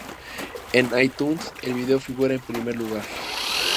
En iTunes, el vídeo figura en primer lugar.